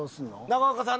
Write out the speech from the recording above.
中岡さん